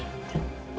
tolong boleh mak